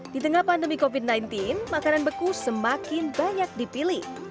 di tengah pandemi covid sembilan belas makanan beku semakin banyak dipilih